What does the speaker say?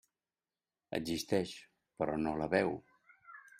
Existeix, però no la veu.